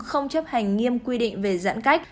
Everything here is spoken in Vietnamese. không chấp hành nghiêm quy định về giãn cách